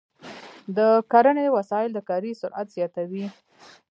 د کرنې وسایل د کاري سرعت زیاتوي.